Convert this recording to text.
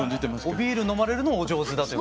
おビール飲まれるのはお上手だと。